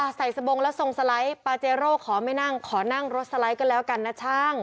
ใส่สบงแล้วทรงสไลด์ปาเจโร่ขอไม่นั่งขอนั่งรถสไลด์ก็แล้วกันนะช่าง